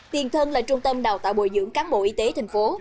tiền thân là trung tâm đào tạo bồi dưỡng cán bộ y tế thành phố